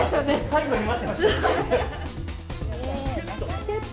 最後に待ってましたね。